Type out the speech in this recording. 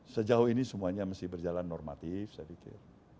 sejauh ini semuanya masih berjalan normatif saya pikir